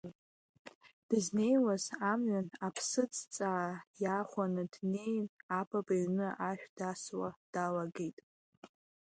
Дызнеиуаз амҩан аԥсыӡ ҵаа иаахәаны днеин апап иҩны ашә дасуа далагеит.